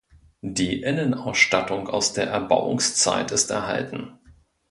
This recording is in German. Die Innenausstattung aus der Erbauungszeit ist erhalten.